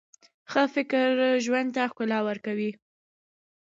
ښه فکر ژوند ته ښکلا ورکوي.